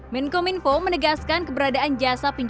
menko minfo menegaskan keberadaan jasa pinjaman online ilegal